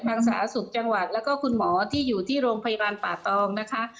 สาธารณสุขจังหวัดแล้วก็คุณหมอที่อยู่ที่โรงพยาบาลป่าตองนะคะ